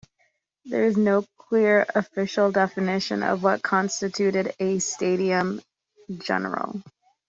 There is no clear official definition of what constituted a "studium generale".